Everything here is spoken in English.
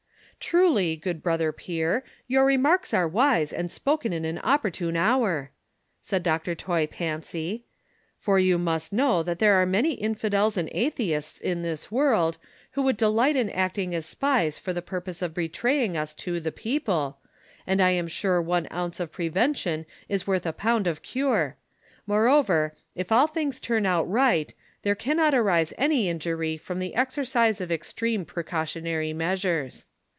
"Truly, good brother Pier, your remarks are wise and spoken at an opportune hour," said Dr. Toy Pancy, "for you must know that there are many inlidels and atheists in this world, who would delight in acting as spies for the purpose of betraying us to ''the peojjle^'' and I am sure one ounce of prevention is worth a pound of cure ; moreover, if all things turn out right, there cannot arise any injury from the exercise of extreme precautionary measures.